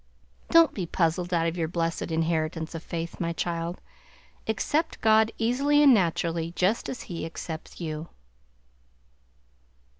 Don't be puzzled out of your blessed inheritance of faith, my child; accept God easily and naturally, just as He accepts you!"